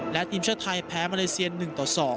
และทีมเชื้อไทยแพ้มาเลเซียน๑๒